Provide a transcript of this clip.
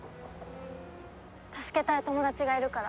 助けたい友達がいるから。